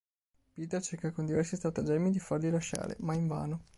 Peter cerca con diversi stratagemmi di farli lasciare, ma invano.